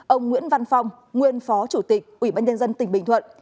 ông nguyễn văn phong nguyên phó chủ tịch ủy ban nhân dân tỉnh bình thuận